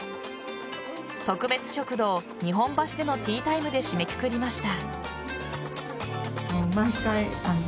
特別食堂日本橋でのティータイムで締めくくりました。